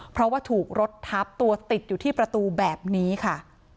เพราะว่าถูกรถทับตัวติดอยู่ที่ประตูแบบนี้ค่ะ